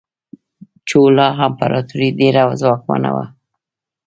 چولا امپراتوري ډیره ځواکمنه وه.